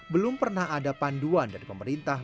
belum pernah ada panduan dari pemerintah